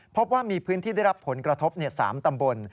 พบว่ามีพื้นที่ได้รับผลกระทบ๓ตำบล